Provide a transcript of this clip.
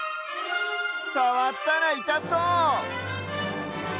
さわったらいたそう！